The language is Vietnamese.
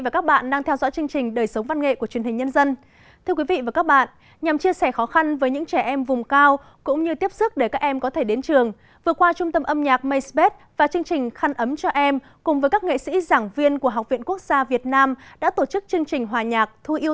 các bạn hãy đăng ký kênh để ủng hộ kênh của chúng mình nhé